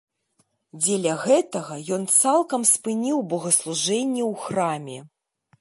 Дзеля гэтага ён цалкам спыніў богаслужэнне ў храме.